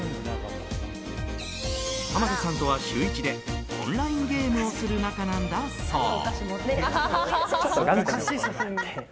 濱田さんとは週１でオンラインゲームをする仲なんだそう。